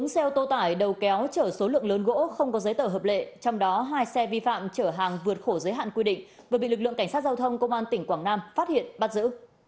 bốn xe ô tô tải đầu kéo chở số lượng lớn gỗ không có giấy tờ hợp lệ trong đó hai xe vi phạm chở hàng vượt khổ giới hạn quy định vừa bị lực lượng cảnh sát giao thông công an tỉnh quảng nam phát hiện bắt giữ